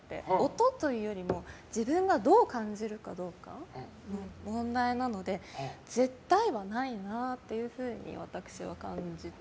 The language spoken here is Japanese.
音というよりも、自分がどう感じるかどうかの問題なので絶対はないなっていうふうに私は感じて。